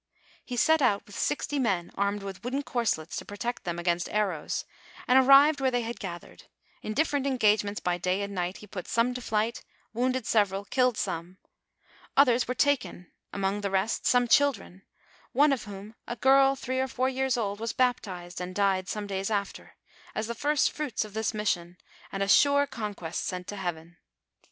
He set out with sixty men armed with wooden corslets to protect them against arrows, and arrived where they had gathered ; in different engagements by day and night, he put some to flight, wounded several, killed some ; others were taken, among the rest some children, one of whom a girl three or four years old was baptized and died some days after, as the first fruits of this mission, and a sure conquest sent to heaven.